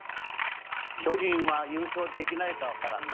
巨人は優勝できないか分からんな。